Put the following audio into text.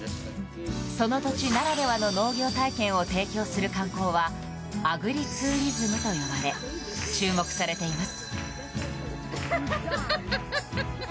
その土地ならではの農業体験を提供する観光はアグリツーリズムと呼ばれ注目されています。